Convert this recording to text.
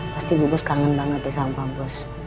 pasti ibu bos kangen banget ya sama ibu bos